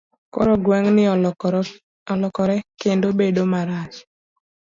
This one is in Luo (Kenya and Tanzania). Koro, gweng' ni olokore kendo bedo marach.